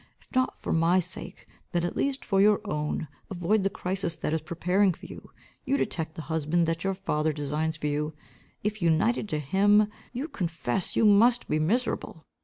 If not for my sake then, at least for your own, avoid the crisis that is preparing for you. You detect the husband that your father designs you. If united to him, you confess you must be miserable.